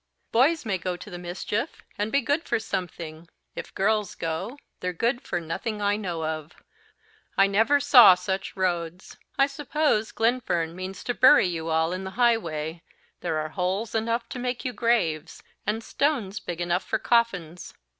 Boys may go to the mischief, and be good for something if girls go, they're good for nothing I know of. I never saw such roads. I suppose Glenfern means to bury you all in the highway; there are holes enough to make you graves, and stones big enough for coffins.